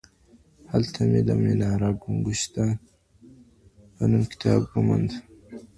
هلته مي د مناره ګم ګشته په نوم کتاب وموند.